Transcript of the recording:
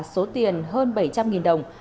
số tiền hơn bảy trăm linh đồng